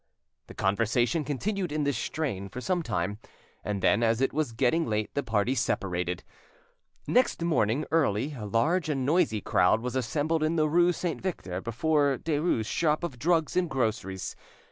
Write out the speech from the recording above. The conversation continued in this strain for some time, and then, as it was getting late, the party separated. Next morning early, a large and noisy crowd was assembled in the rue Saint Victor before Derues' shop of drugs and groceries.